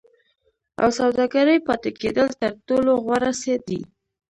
او سوداګرۍ پاتې کېدل تر ټولو غوره څه دي.